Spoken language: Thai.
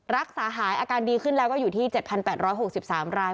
รักษาหายอาการดีขึ้นแล้วก็อยู่ที่๗๘๖๓ราย